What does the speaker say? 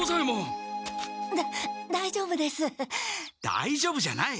だいじょうぶじゃない。